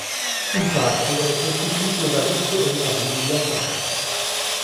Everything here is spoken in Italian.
Il parco è costituito da vette e valli glaciali.